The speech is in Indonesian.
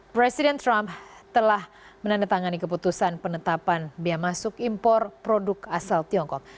presiden trump telah menandatangani keputusan penetapan biaya masuk impor produk asal tiongkok